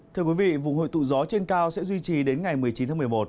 thưa quý vị vùng hội tụ gió trên cao sẽ duy trì đến ngày một mươi chín tháng một mươi một